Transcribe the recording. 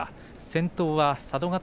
先頭は佐渡ヶ